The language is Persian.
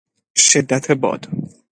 شدت باد